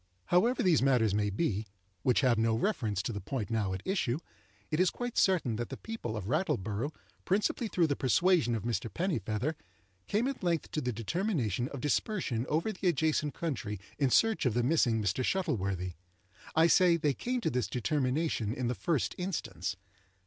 However these matters may be (which have no reference to the point now at issue), it is quite certain that the people of Rattleborough, principally through the persuasion of Mr. Pennifeather, came at length to the determination of dispersion over the adjacent country in search of the missing Mr. Shuttleworthy. I say they came to this determination in the first instance.